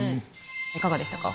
いかがでしたか？